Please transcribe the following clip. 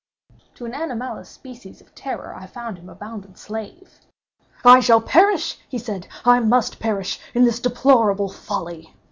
To an anomalous species of terror I found him a bounden slave. "I shall perish," said he, "I must perish in this deplorable folly.